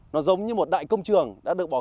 nó giống như một đại công trường đã được bỏ